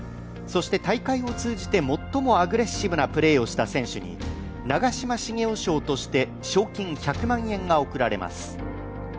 そして大会を通じて最もアグレッシブなプレーをした選手に、長嶋茂雄賞として賞金１００万円が贈られます。